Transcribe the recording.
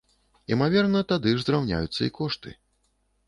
Імаверна, тады ж зраўняюцца і кошты.